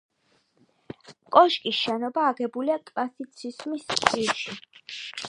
კოშკის შენობა აგებულია კლასიციზმის სტილში.